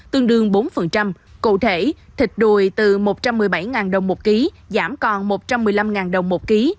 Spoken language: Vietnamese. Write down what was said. tương đương bốn cụ thể thịt đùi từ một trăm một mươi bảy đồng một ký giảm còn một trăm một mươi năm đồng một ký